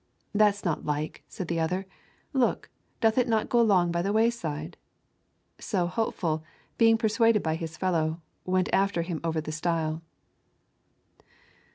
'That's not like,' said the other; 'look, doth it not go along by the wayside?' So Hopeful, being persuaded by his fellow, went after him over the stile.